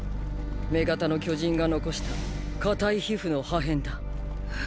女型の巨人が残した硬い皮膚の破片だ。